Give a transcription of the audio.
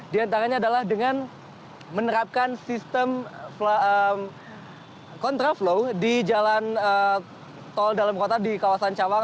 di antaranya adalah dengan menerapkan sistem kontraflow di jalan tol dalam kota di kawasan cawang